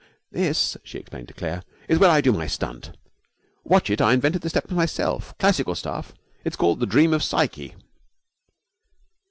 'This,' she explained to Claire, 'is where I do my stunt. Watch it. I invented the steps myself. Classical stuff. It's called the Dream of Psyche.'